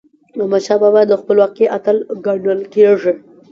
احمدشاه بابا د خپلواکی اتل ګڼل کېږي.